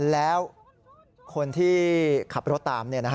แล้วคนที่ขับรถตาม